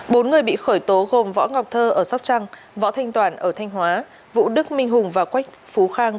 bốn người bị khởi tố gồm võ ngọc thơ ở sóc trăng võ thanh toàn ở thanh hóa vũ đức minh hùng và quách phú khang